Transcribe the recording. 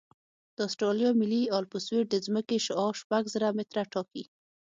د اسټرالیا ملي الپسویډ د ځمکې شعاع شپږ زره متره ټاکي